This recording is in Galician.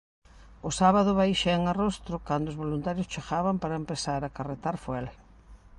O sábado baixén a Rostro cando os voluntarios chegaban para empezar a carretar fuel.